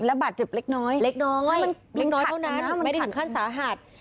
บาดเจ็บเล็กน้อยเล็กน้อยเล็กน้อยเท่านั้นไม่ถึงขั้นสาหัส